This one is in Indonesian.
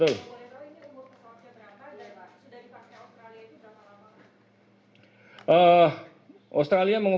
kalau tidak dari australia ya pak betul